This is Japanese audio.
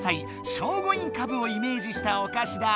聖護院かぶをイメージしたお菓子だ。